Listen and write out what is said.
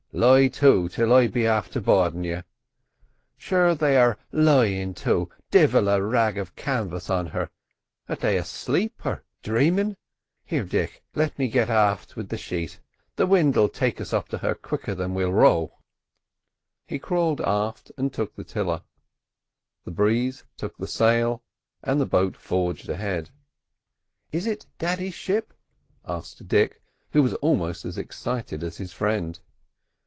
Lie to till I be afther boardin' you. Sure, they are lyin' to—divil a rag of canvas on her—are they aslape or dhramin'? Here, Dick, let me get aft wid the sheet; the wind'll take us up to her quicker than we'll row." He crawled aft and took the tiller; the breeze took the sail, and the boat forged ahead. "Is it daddy's ship?" asked Dick, who was almost as excited as his friend.